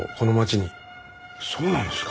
そうなんですか。